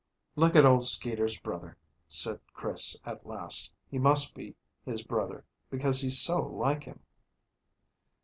"Look at old Skeeter's brother," said Chris, at last. "He must be his brother, because he's so like him."